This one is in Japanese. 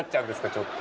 ちょっと。